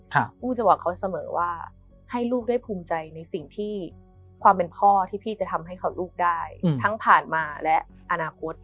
ผู้จะบอกเขาเสมอว่าให้ลูกได้ภูมิใจในสิ่งที่ความเป็นพ่อที่พี่จะทำให้เขาลูกได้ทั้งผ่านมาและอนาคต